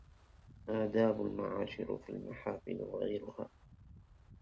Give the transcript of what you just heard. آداب المعاشرة في المحافل وغيرها